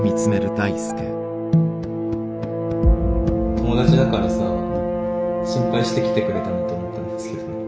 友達だからさ心配して来てくれたんだと思ったんですけどね